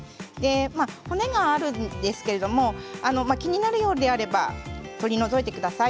骨があるんですけど気になるようであれば取り除いてください。